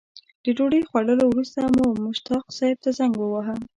د ډوډۍ خوړلو وروسته مو مشتاق صیب ته زنګ وواهه.